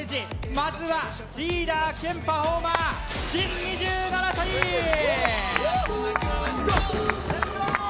まずはリーダー兼パフォーマーレッツゴー！